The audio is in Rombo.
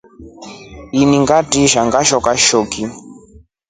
Ini ngatisha Ngashoka shoki.